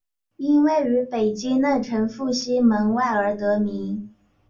因位于北京内城复兴门外而得名。